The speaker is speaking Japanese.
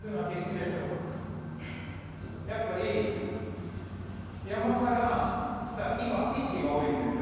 やっぱり山から来た岩石が多いんですよ。